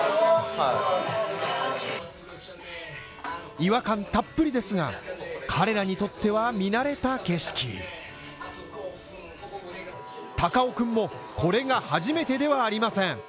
違和感たっぷりですが、彼らにとっては見慣れた景色高尾くんもこれが初めてではありません。